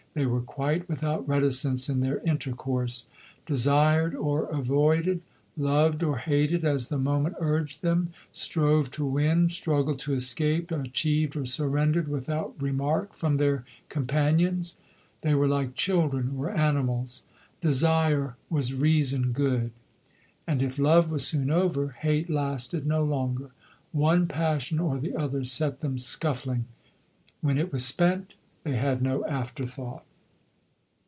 They were quite without reticence in their intercourse; desired or avoided, loved or hated as the moment urged them; strove to win, struggled to escape, achieved or surrendered without remark from their companions. They were like children or animals. Desire was reason good; and if love was soon over, hate lasted no longer. One passion or the other set them scuffling: when it was spent they had no after thought.